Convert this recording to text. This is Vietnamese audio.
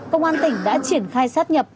công an tỉnh đã triển khai sát nhập